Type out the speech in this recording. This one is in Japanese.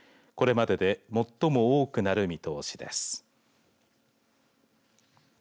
これまでで最も多くなる見通しです。